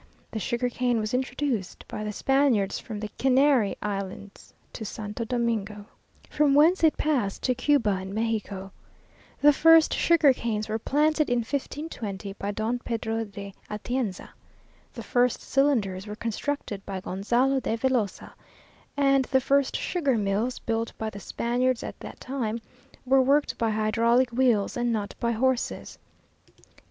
The sugar cane was introduced by the Spaniards from the Canary Islands to Santo Domingo, from whence it passed to Cuba and Mexico. The first sugar canes were planted in 1520, by Don Pedro de Atienza. The first cylinders were constructed by Gonzalo de Velosa, and the first sugar mills built by the Spaniards at that time were worked by hydraulic wheels and not by horses.